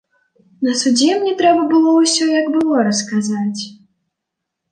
На судзе мне трэба было ўсё, як было, расказаць.